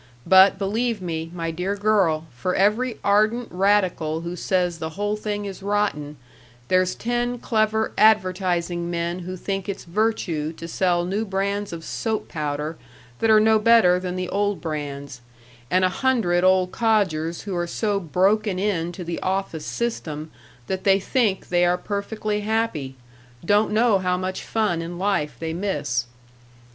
But, believe me, my dear girl, for every ardent radical who says the whole thing is rotten there's ten clever advertising men who think it's virtue to sell new brands of soap powder that are no better than the old brands, and a hundred old codgers who are so broken into the office system that they think they are perfectly happy don't know how much fun in life they miss.